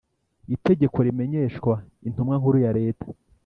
Itegeko rimenyeshwa Intumwa Nkuru ya Leta